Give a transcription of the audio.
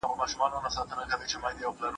دا کیفیت به مې کړي لا پسې خرابه